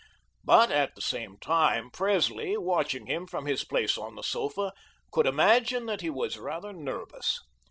But at the same time, Presley, watching him from his place on the sofa, could imagine that he was rather nervous.